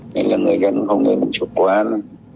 nên là người dân không nên chụp quan